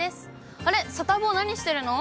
あれ、サタボー、何してるの？